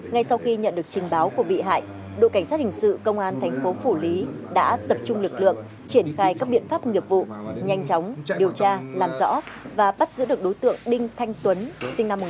ngay sau khi nhận được trình báo của bị hại đội cảnh sát hình sự công an thành phố phủ lý đã tập trung lực lượng triển khai các biện pháp nghiệp vụ nhanh chóng điều tra làm rõ và bắt giữ được đối tượng đinh thanh tuấn sinh năm một nghìn chín trăm tám mươi